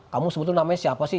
kamu sebetulnya namanya siapa sih